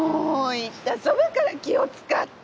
言ったそばから気を遣って。